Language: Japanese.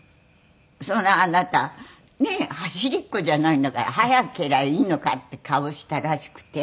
そんなあなたねえ走りっこじゃないんだから早けりゃいいのかっていう顔をしたらしくて。